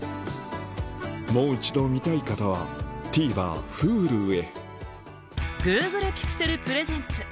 もう一度見たい方は、ＴＶｅｒ、ｈｕｌｕへ。